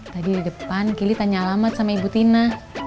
tadi di depan kili tanya alamat sama ibu tina